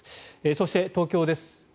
そして、東京です。